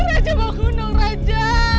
raja bangun dong raja